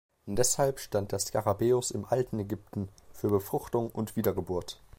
Deshalb stand der Skarabäus im alten Ägypten für Befruchtung und Wiedergeburt.